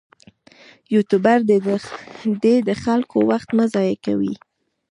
یوټوبر دې د خلکو وخت مه ضایع کوي.